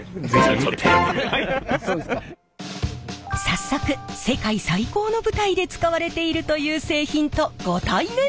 早速世界最高の舞台で使われているという製品とご対面。